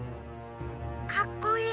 かっこいい。